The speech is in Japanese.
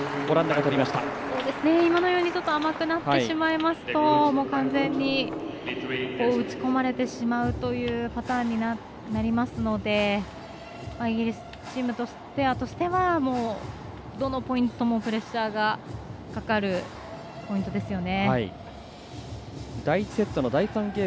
甘くなってしまいますと完全に打ち込まれてしまうというパターンになりますのでイギリスペアとしてはどのポイントもプレッシャーがかかるポイントですよね。